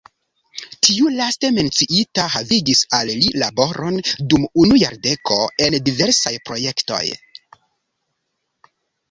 Tiu laste menciita havigis al li laboron dum unu jardeko en diversaj projektoj.